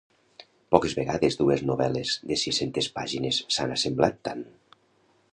Poques vegades dues novel·les de sis-centes pàgines s'han assemblat tant.